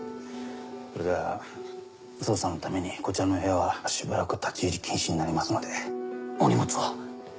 それでは捜査のためにこちらの部屋はしばらく立ち入り禁止になりますのでお荷物を。